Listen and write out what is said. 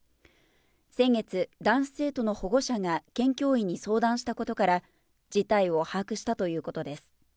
先月、男子生徒の保護者が県教委に相談したことから、事態を把握したということです。